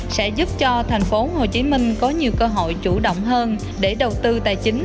sẽ giúp cho thành phố hồ chí minh có nhiều cơ hội chủ động hơn để đầu tư tài chính